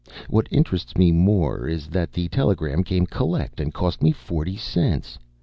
What interests me more is that the telegram came collect and cost me forty cents.